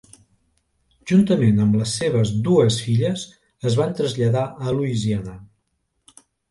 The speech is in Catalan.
Juntament amb les seves dues filles es van traslladar a Louisiana.